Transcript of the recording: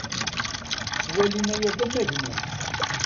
Ttwalin aya d amagnu.